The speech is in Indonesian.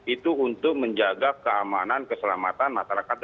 itu untuk menjaga keamanan keselamatan masyarakat